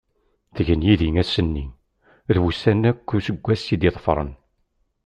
Tgen yid-i ass-nni, d wussan akk n useggas i d-iḍefren.